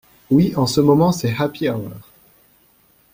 Oui en ce moment c'est happy hour.